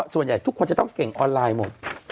ส่วนใหญ่ทุกคนจะต้องเก่งออนไลน์หมด